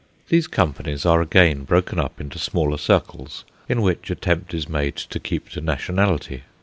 These companies are again broken up into smaller circles, in which attempt is made to keep to nationality.